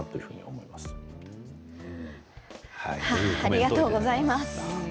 ありがとうございます。